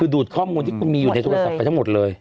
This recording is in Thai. ดูดข้อมูลที่คุณมีอยู่ในโทรศัพท์ไปทั้งหมดเลย